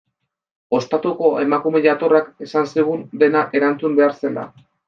Ostatuko emakume jatorrak esan zigun dena erantzun behar zela.